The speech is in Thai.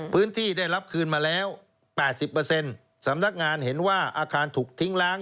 ได้รับคืนมาแล้ว๘๐สำนักงานเห็นว่าอาคารถูกทิ้งล้าง